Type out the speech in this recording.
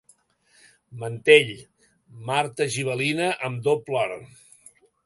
Mantell: marta gibelina, amb doble or.